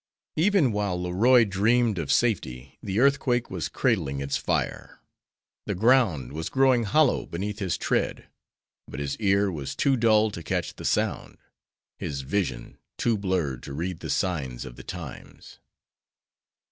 '" Even while Leroy dreamed of safety the earthquake was cradling its fire; the ground was growing hollow beneath his tread; but his ear was too dull to catch the sound; his vision too blurred to read the signs of the times.